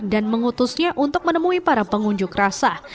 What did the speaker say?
dan mengutusnya untuk menemui para pengunjuk rasa